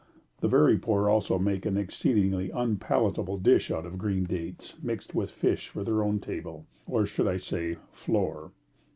The very poor also make an exceedingly unpalatable dish out of green dates mixed with fish for their own table, or, I should say, floor.